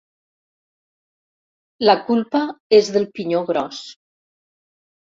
La culpa és del pinyó gros.